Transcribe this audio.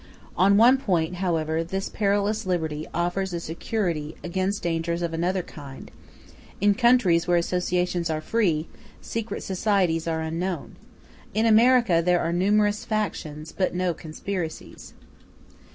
On one point, however, this perilous liberty offers a security against dangers of another kind; in countries where associations are free, secret societies are unknown. In America there are numerous factions, but no conspiracies.